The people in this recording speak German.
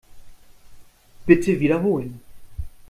Bitte wiederholen.